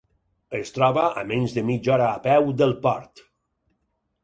Es troba a menys de mitja hora a peu del Port.